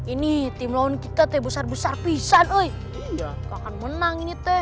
ini tim lawan kita teh besar besar pisan